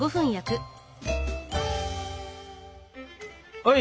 はい！